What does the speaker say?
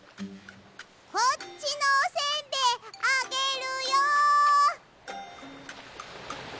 こっちのおせんべいあげるよ！